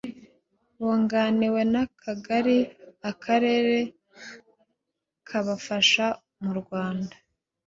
bunganiwe n akagari akarere kabafasha murwanda